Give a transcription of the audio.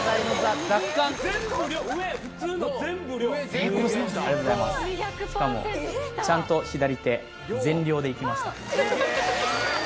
成功しましたありがとうございますしかもでいきました